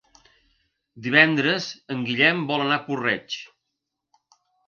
Divendres en Guillem vol anar a Puig-reig.